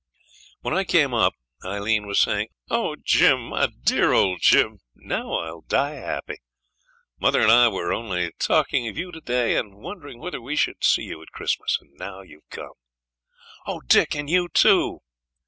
When I came up Aileen was saying 'Oh, Jim, my dear old Jim! now I'll die happy; mother and I were only talking of you to day, and wondering whether we should see you at Christmas and now you have come. Oh, Dick! and you too.